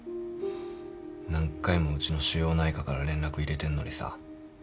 何回もうちの腫瘍内科から連絡入れてんのにさ。